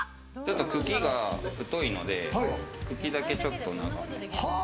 茎が太いので、茎だけちょっと長めに。